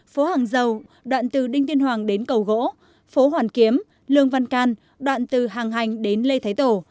phố hàng dầu đoạn từ đinh tiên hoàng đến cầu gỗ hoàn kiếm lương văn can đoạn từ hàng hành đến lê thái tổ